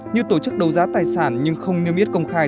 như tổ chức đấu giá tài sản nhưng không niêm yết công khai